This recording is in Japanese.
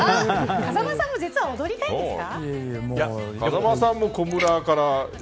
風間さんも実は踊りたいんですか。